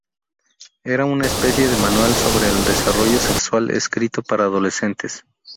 Era una especie de manual sobre el desarrollo sexual escrito para adolescentes.